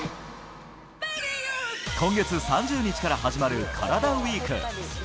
今月３０日から始まるカラダＷＥＥＫ。